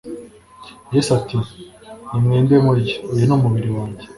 yesu ati “nimwende murye uyu ni umubiri wanjye